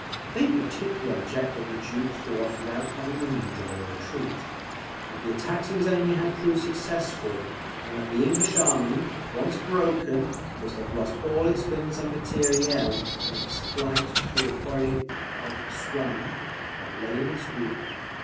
They particularly object that the Duke fought without having the means of a retreat, if the attacks of his enemy had proved successful; and that the English army, if once broken, must have lost all its guns and MATERIEL in its flight through the Forest of Soignies, that lay in its rear.